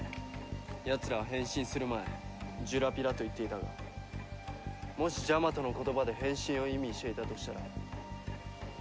やつらは変身する前「ジュラピラ」と言っていたがもしジャマトの言葉で「変身」を意味していたとしたら。